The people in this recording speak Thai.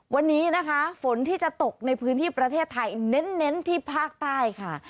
วันนี้นะคะฝนที่จะตกในพื้นที่ประเทศไทยเน้นที่ภาคใต้ค่ะ